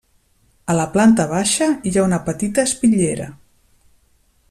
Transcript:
A la planta baixa hi ha una petita espitllera.